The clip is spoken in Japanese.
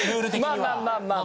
まあまあまあまあ。